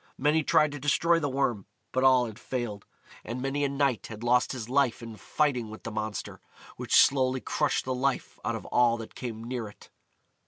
Many tried to destroy the Worm, but all had failed, and many a knight had lost his life in fighting with the monster, which slowly crushed the life out of all that came near it.